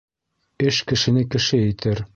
Эш кешене кеше итер.